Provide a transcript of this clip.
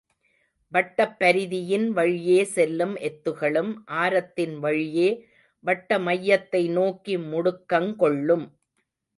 வட்டப் பரிதியின் வழியே செல்லும் எத்துகளும் ஆரத்தின் வழியே வட்டமையத்தை நோக்கி முடுக்கங் கொள்ளும்.